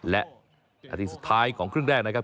และนาทีสุดท้ายของครึ่งแรกนะครับ